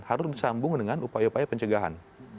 harus disambung dengan upaya upaya pencegahan